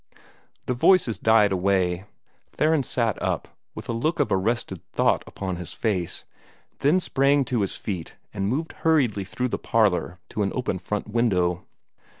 The voices died away. Theron sat up, with a look of arrested thought upon his face, then sprang to his feet and moved hurriedly through the parlor to an open front window.